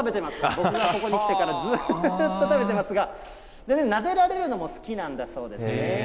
僕がここに来てからずっと食べてますが、なでられるのも好きなんだそうですね。